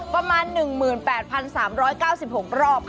ประมาณ๑๘๓๙๖รอบค่ะ